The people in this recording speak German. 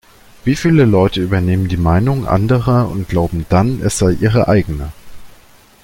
Wie viele Leute übernehmen die Meinung anderer und glauben dann, es sei ihre eigene?